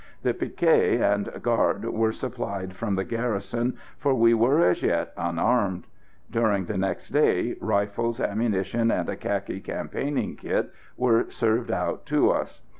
The picquet and guard were supplied from the garrison, for we were as yet unarmed. During the next day rifles, ammunition, and a khaki campaigning kit were served out to us.